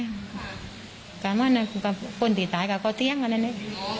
ก็เค้าเมื่อนี่ฟึเต่าตีตายก็ทีมอ่ะแล้วนี่